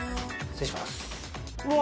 失礼します。